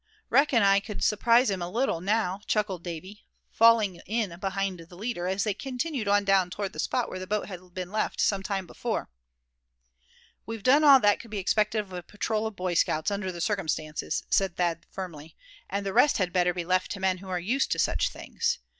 reckon I c'd surprise him a little now," chuckled Davy, falling in behind the leader, as they continued on down toward the spot where the boat had been left some time before. "We've done all that could be expected of a patrol of Boy Scouts, under the circumstances," said Thad firmly; "and the rest had better be left to men who are used to such things.